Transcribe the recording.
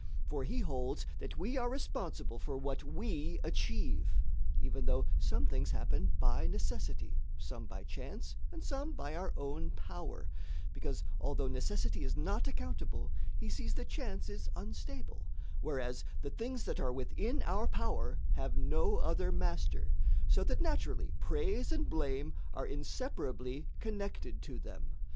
For he holds that we are responsible for what we achieve, even though some things happen by necessity, some by chance, and some by our own power, because although necessity is not accountable he sees that chance is unstable whereas the things that are within our power have no other master, so that naturally praise and blame are inseparably connected to them.